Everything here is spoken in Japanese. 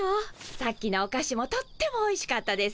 さっきのおかしもとってもおいしかったですよ